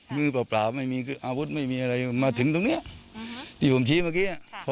มือเปล่าเปล่าไม่มีอาวุธไม่มีอะไรมาถึงตรงเนี้ยอือฮือที่ผมชี้เมื่อกี้อ่ะค่ะ